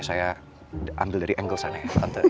saya ambil dari angle sana ya